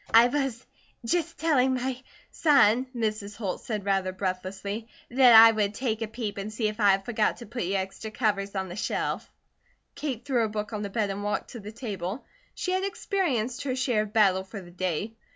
"I was just telling my son," Mrs. Holt said rather breathlessly, "that I would take a peep and see if I had forgot to put your extra covers on the shelf." Kate threw her book on the bed and walked to the table. She had experienced her share of battle for the day.